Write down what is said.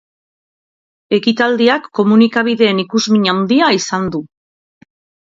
Ekitaldiak komunikabideen ikusmin handia izan du.